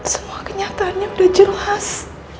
semua kenyataannya udah jelas